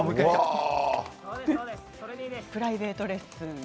プライベートレッスン。